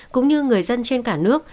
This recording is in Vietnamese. cũng như người dân trên cả nước